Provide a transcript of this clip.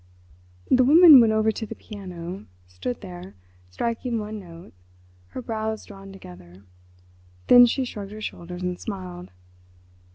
The woman went over to the piano—stood there—striking one note—her brows drawn together. Then she shrugged her shoulders and smiled.